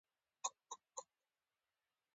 اې له خاورو جوړه، په پيسو پسې ناجوړه !